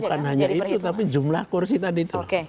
bukan hanya itu tapi jumlah kursi tadi itu